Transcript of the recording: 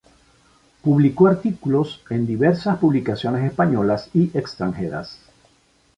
Publicó artículos en diversas publicaciones españolas y extranjeras.